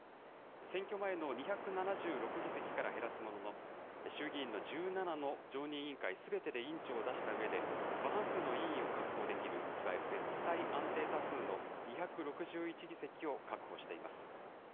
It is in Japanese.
選挙前の２７６議席から減らすものの、衆議院の１７の常任委員会すべてで委員長を出したうえで、過半数の委員を確保できる、いわゆる絶対安定多数の２６１議席を確保しています。